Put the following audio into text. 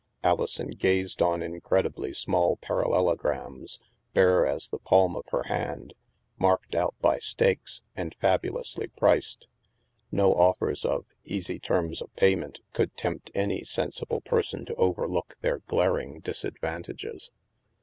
Alison gazed on incredibly small par allelograms, bare as the palm of her hand, marked out by stakes, and fabulously priced. No offers of " easy terms of payment " could tempt any sensi ble person to overlook their glaring disadvantages.